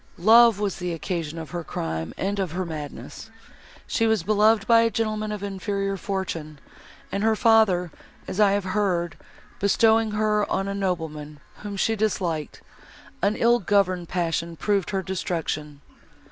Love was the occasion of her crime and of her madness. She was beloved by a gentleman of inferior fortune, and her father, as I have heard, bestowing her on a nobleman, whom she disliked, an ill governed passion proved her destruction.